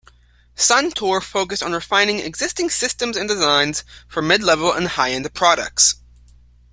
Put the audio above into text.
SunTour focused on refining existing systems and designs for mid-level and high-end products.